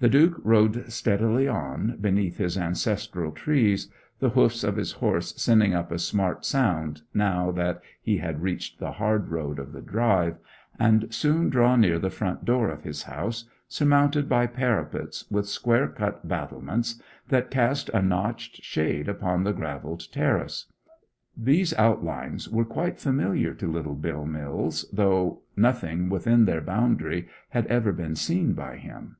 The Duke rode steadily on beneath his ancestral trees, the hoofs of his horse sending up a smart sound now that he had reached the hard road of the drive, and soon drew near the front door of his house, surmounted by parapets with square cut battlements that cast a notched shade upon the gravelled terrace. These outlines were quite familiar to little Bill Mills, though nothing within their boundary had ever been seen by him.